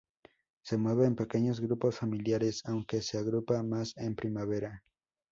Se mueve en pequeños grupos familiares, aunque se agrupa más en primavera.